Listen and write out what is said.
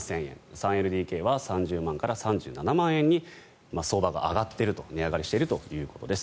３ＬＤＫは３０万円から３７万円に相場が上がっている値上がりしているということです。